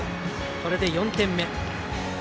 これで４点目。